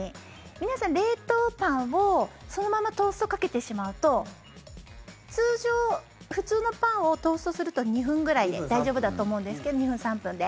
皆さん、冷凍パンをそのままトーストかけてしまうと通常、普通のパンをトーストすると２分ぐらいで大丈夫だと思うんですけど、２分、３分で。